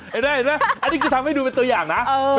เห็นไหมอันนี้คือทำให้ดูเป็นตัวอย่างนะ